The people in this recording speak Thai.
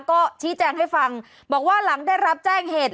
ก็ชี้แจงให้ฟังบอกว่าหลังได้รับแจ้งเหตุ